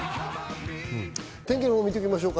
天気のほう見ておきましょうか。